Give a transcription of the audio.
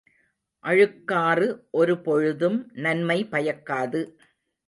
அழுக்காறு ஒரு பொழுதும் நன்மை பயக்காது.